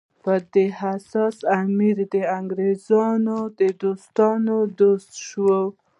په دې اساس امیر د انګریزانو د دوستانو دوست شي.